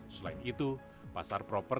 selain itu pasar properti